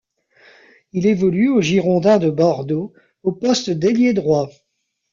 Il évolue aux Girondins de Bordeaux au poste d'ailier droit.